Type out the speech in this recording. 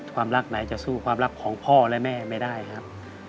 ความรักไหนจะสู้ความรักของพ่อและแม่ไม่ได้ครับ